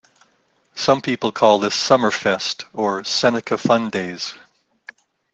Some people call this "Summer Fest" or "Seneca Fun Days".